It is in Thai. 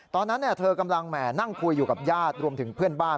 ตอนนั้นเธอกำลังแห่นั่งคุยอยู่กับญาติรวมถึงเพื่อนบ้าน